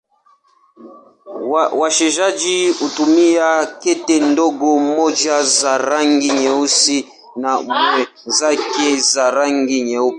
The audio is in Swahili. Wachezaji hutumia kete ndogo, mmoja za rangi nyeusi na mwenzake za rangi nyeupe.